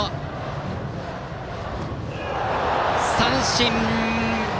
三振。